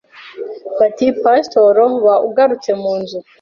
bati pastoro ba ugarutse mu nzu